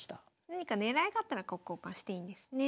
何か狙いがあったら角交換していいんですね。